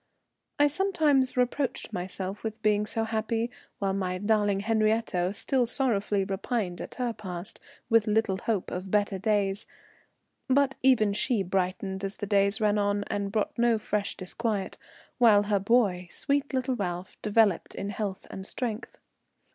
I sometimes reproached myself with being so happy, while my darling Henriette still sorrowfully repined at her past, with little hope of better days. But even she brightened as the days ran on and brought no fresh disquiet, while her boy, sweet little Ralph, developed in health and strength.